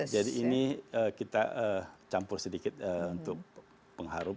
jadi ini kita campur sedikit untuk pengharum